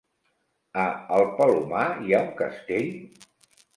A el Palomar hi ha un castell?